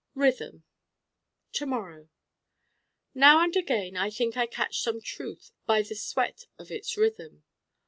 Rhythm To morrow Now and again I think I catch some truth by the sweat of its Rhythm.